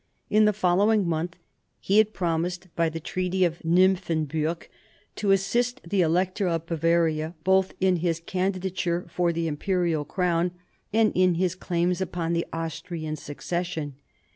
In the following month he had promised, by the Treaty of Nymphenburg, to assist the Elector of Bavaria, both in his candidature for the Imperial crown and in his claims upon the Austrian succession.